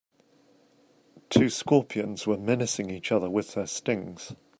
Two scorpions were menacing each other with their stings.